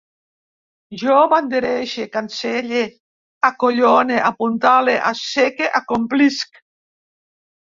Jo banderege, cancel·le, acollone, apuntale, asseque, acomplisc